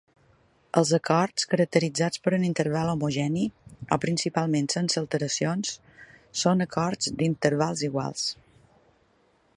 Els acords caracteritzats per un interval homogeni, o principalment sense alteracions, són acords d'intervals iguals.